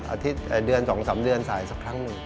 อาทิตย์เดือน๒๓เดือนสายสักครั้งหนึ่ง